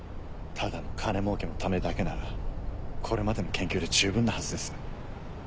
ただの金もうけのためだけならこれまでの研究で十分なはずです。